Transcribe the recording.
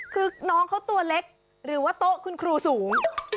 คือน้องเขาตัวเล็กหรือว่าโต๊ะคุณครูสูง